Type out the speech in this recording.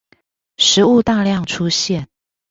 食物大量出現